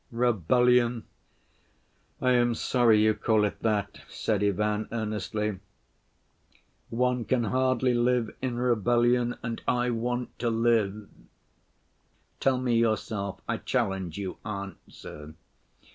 "Rebellion? I am sorry you call it that," said Ivan earnestly. "One can hardly live in rebellion, and I want to live. Tell me yourself, I challenge you—answer.